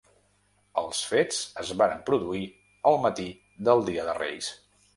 Els fets es varen produir el matí del dia de reis.